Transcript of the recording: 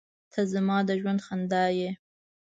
• ته زما د ژوند خندا یې.